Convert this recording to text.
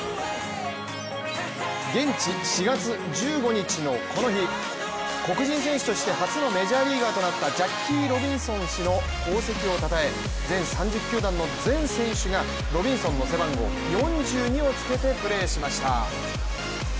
現地４月１５日のこの日黒人選手として初のメジャーリーガーとなったジャッキー・ロビンソン氏の功績をたたえ全３０球団の全選手がロビンソン選手の背番号４２をつけてプレーしました。